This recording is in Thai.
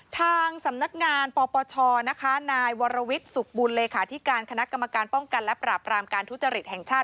ทางสำนักงานปปชนะคะนายวรวิทย์สุขบุญเลขาธิการคณะกรรมการป้องกันและปราบรามการทุจริตแห่งชาติ